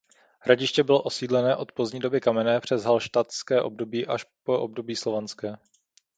Hradiště bylo osídlené od pozdní doby kamenné přes halštatské období až po období slovanské.